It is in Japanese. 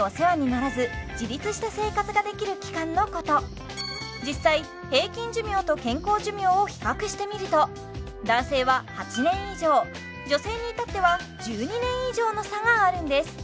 はいはい実際平均寿命と健康寿命を比較してみると男性は８年以上女性に至っては１２年以上の差があるんです